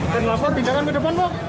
dan lapor pindahkan ke depan lo